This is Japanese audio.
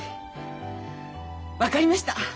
分かりました。